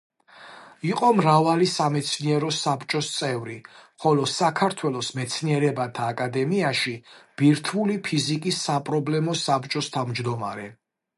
იყო მრავალი სამეცნიერო საბჭოს წევრი, ხოლო საქართველოს მეცნიერებათა აკადემიაში ბირთვული ფიზიკის საპრობლემო საბჭოს თავმჯდომარე.